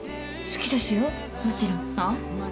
好きですよもちろん。は？